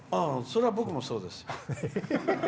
それは僕もそうです。